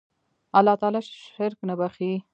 الله تعالی شرک نه بخښي